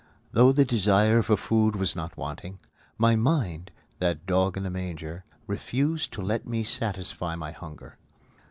Though the desire for food was not wanting, my mind (that dog in the manger) refused to let me satisfy my hunger.